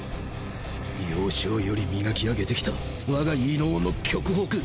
幼少より磨き上げてきた我が異能の極北。